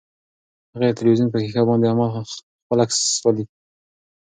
هغې د تلویزیون په ښیښه باندې خپل عکس ولید.